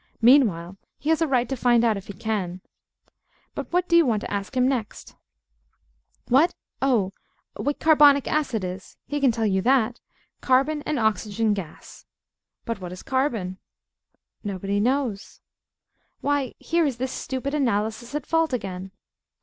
Meanwhile he has a right to find out if he can. But what do you want to ask him next? What? Oh! What carbonic acid is. He can tell you that. Carbon and oxygen gas. But what is carbon? Nobody knows. Why, here is this stupid Analysis at fault again.